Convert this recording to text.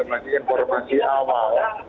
ada informasi awal